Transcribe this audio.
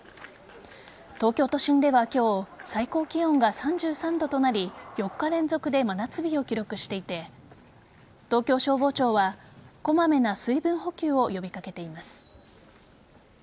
東京都心では今日、最高気温が３３度となり４日連続で真夏日を記録していて東京消防庁はこまめな水分補給を呼び掛けています。